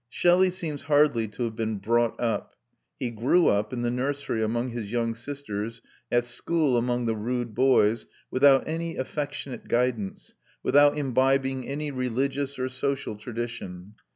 Shelley seems hardly to have been brought up; he grew up in the nursery among his young sisters, at school among the rude boys, without any affectionate guidance, without imbibing any religious or social tradition.